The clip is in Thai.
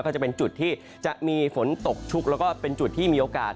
ก็จะเป็นจุดที่จะมีฝนตกชุกแล้วก็เป็นจุดที่มีโอกาส